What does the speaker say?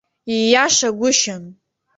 Ииашагәышьан.